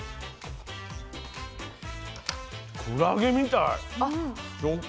クラゲみたい食感。